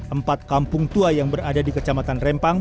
empat kampung tua yang berada di kecamatan rempang